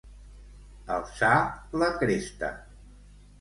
Alçar la cresta.